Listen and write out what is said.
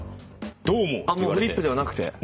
もうフリップではなくて？